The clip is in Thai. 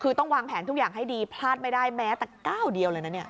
คือต้องวางแผนทุกอย่างให้ดีพลาดไม่ได้แม้แต่ก้าวเดียวเลยนะเนี่ย